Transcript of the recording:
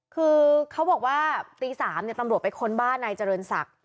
คือเขาบอกว่าตี๓ตำรวจไปค้นบ้านนายเจริญศักดิ์